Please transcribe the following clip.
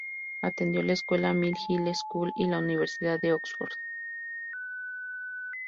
Atendió la escuela Mill Hill School y la Universidad de Oxford.